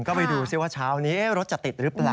ก็ไปดูซิว่าเช้านี้รถจะติดหรือเปล่า